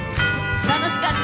楽しかった。